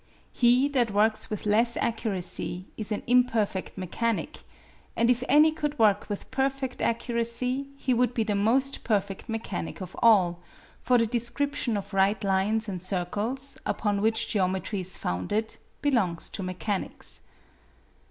He that works with less accuracy is an imperfect mechanic: and if any could work with perfect accuracy, he would be the most perfect mechanic of all; for the description of right lines and circles, upon which geometry is founded, belongs to mechanics.